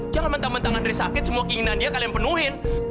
jangan mentang mentang andre sakit semua keinginan dia kalian penuhin